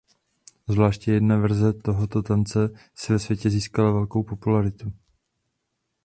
Zvláště jedna verze tohoto tance si ve světě získala velkou popularitu.